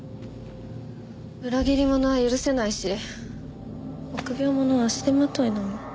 裏切り者は許せないし臆病者は足手まといなの。